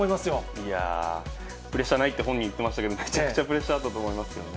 いやぁ、プレッシャーないって本人言ってましたけど、めちゃくちゃプレッシャー、あったと思いますけどね。